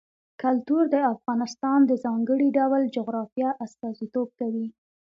کلتور د افغانستان د ځانګړي ډول جغرافیه استازیتوب کوي.